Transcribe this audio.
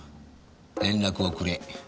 連絡をくれ」。